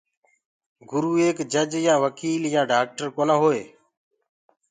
گُرو ايڪ جيج يآ وڪيل يآ ڊآڪٽر ڪونآ هٽوئي۔